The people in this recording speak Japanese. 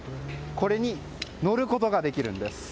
これに乗ることができます。